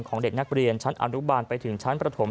เด็กนักเรียนชั้นอนุบาลไปถึงชั้นประถม